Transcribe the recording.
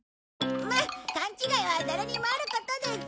まっ勘違いは誰にもあることです。